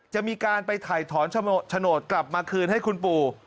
จะมีการไปถ่ายถอนโฉนดกลับมาคืนให้คุณปู่